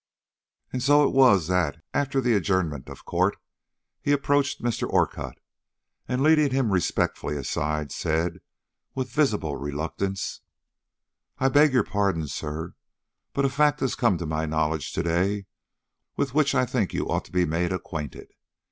And so it was that, after the adjournment of court, he approached Mr. Orcutt, and leading him respectfully aside, said, with visible reluctance: "I beg your pardon, sir, but a fact has come to my knowledge to day with which I think you ought to be made acquainted.